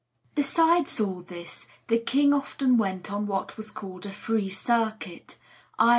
Besides all this, the king often went on what was called a 'Free Circuit,' _i.